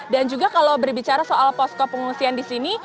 dan juga kalau berbicara soal posko pengungsian di sini